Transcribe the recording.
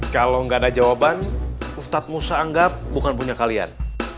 kalau nggak ada jawaban ustadz musa anggap bukan punya kalian